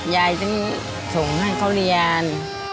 ยายถึงส่งให้เขาเรียน